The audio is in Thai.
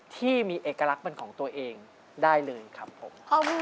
ที่มีเอกลักษณ์เป็นของตัวเองได้เลยครับผม